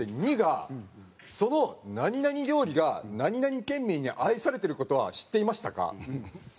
２が「その何々料理が何々県民に愛されてる事は知っていましたか？」。